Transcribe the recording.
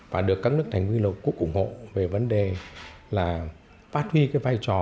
và được các nước thành viên liên hợp quốc ủng hộ về vấn đề phát huy vai trò